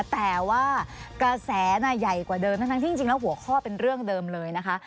แต่ว่ากระแสใหญ่กว่าเดิมทั้งที่จริงแล้วหัวข้อเป็นเรื่องเดิมเลยนะคะ